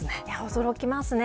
驚きますね。